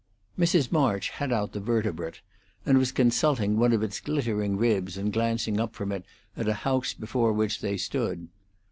Mrs. March had out the vertebrate, and was consulting one of its glittering ribs and glancing up from it at a house before which they stood.